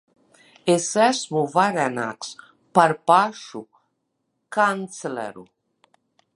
Es esmu varenāks par pašu kancleru.